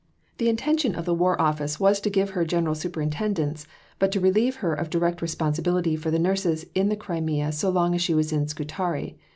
The intention of the War Office was to give her general superintendence, but to relieve her of direct responsibility for the nurses in the Crimea so long as she was at Scutari.